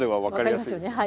分かりますよね。